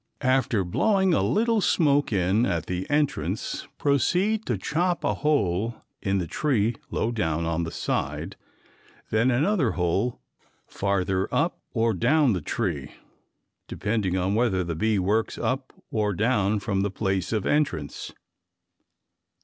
After blowing a little smoke in at the entrance, proceed to chop a hole in the tree low down on the side, then another hole farther up or down the tree, depending on whether the bee works up or down from the place of entrance.